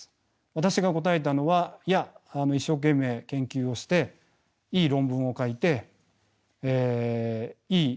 私が答えたのはいや一生懸命研究をしていい論文を書いていい